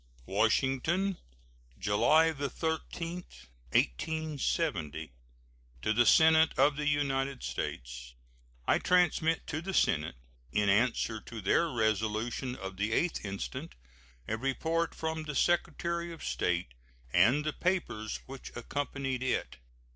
WASHINGTON, July 13, 1870. To the Senate of the United States: I transmit to the Senate, in answer to their resolution of the 8th instant, a report from the Secretary of State and the papers which accompanied it.